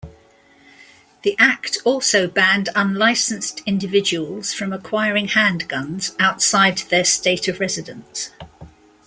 The Act also banned unlicensed individuals from acquiring handguns outside their state of residence.